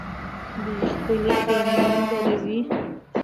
دوی خپلې خېمې دروي.